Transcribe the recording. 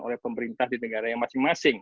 oleh pemerintah di negara yang masing masing